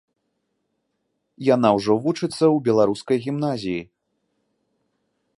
Яна ўжо вучыцца ў беларускай гімназіі.